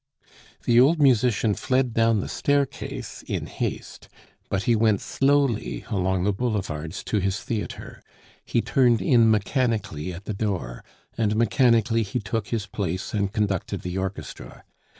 The old musician fled down the staircase in haste; but he went slowly along the boulevards to his theatre, he turned in mechanically at the door, and mechanically he took his place and conducted the orchestra.